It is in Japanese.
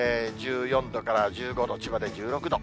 １４度から１５度、千葉で１６度。